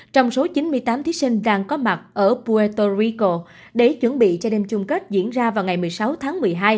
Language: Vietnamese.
trong số chín mươi tám thí sinh đang có mặt ở pueto rico để chuẩn bị cho đêm chung kết diễn ra vào ngày một mươi sáu tháng một mươi hai